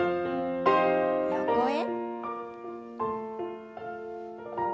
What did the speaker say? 横へ。